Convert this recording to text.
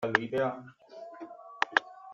Uharte atsegina deitzen zioten garai hartan.